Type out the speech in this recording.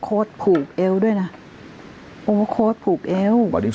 คุณแม่ก็ไม่อยากคิดไปเองหรอก